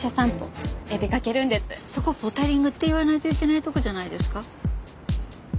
そこ「ポタリング」って言わないといけないとこじゃないですか？